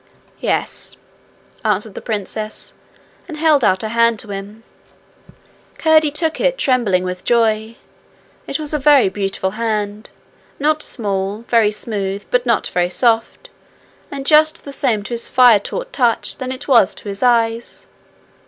'Yes,' answered the princess, and held out her hand to him. Curdie took it, trembling with joy. It was a very beautiful hand not small, very smooth, but not very soft and just the same to his fire taught touch that it was to his eyes.